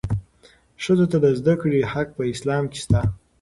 ښځو ته د زدهکړې حق په اسلام کې شته.